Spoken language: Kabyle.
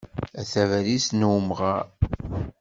A tabalizt n umɣar.